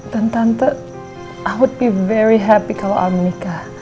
dan tante aku akan sangat senang kalau al menikah